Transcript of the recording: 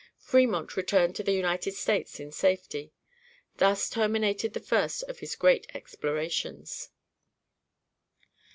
Fremont returned to the United States in safety. Thus terminated the first of his great explorations.